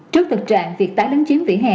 trước thực trạng việc tái lấn chiếm vỉa hè